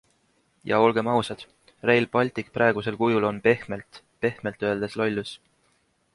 Ja olgem ausad, Rail Baltic praegusel kujul on pehmelt, pehmelt öeldes lollus!